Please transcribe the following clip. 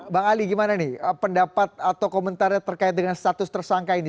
bang ali gimana nih pendapat atau komentarnya terkait dengan status tersangka ini